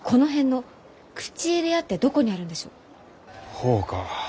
ほうか。